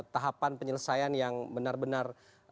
tahapan penyelesaian yang benar benar